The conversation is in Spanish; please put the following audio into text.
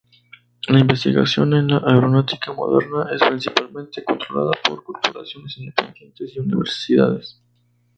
La investigación en la aeronáutica moderna es principalmente controlada por corporaciones independientes y universidades.